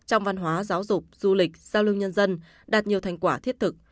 trong văn hóa giáo dục du lịch giao lưu nhân dân đạt nhiều thành quả thiết thực